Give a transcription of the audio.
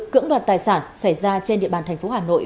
cưỡng đoạt tài sản xảy ra trên địa bàn tp hà nội